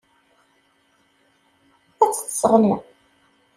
Ad tt-tesseɣli.